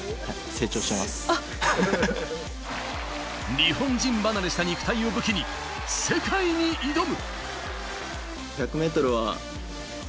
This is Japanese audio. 日本人離れした肉体を武器に世界に挑む。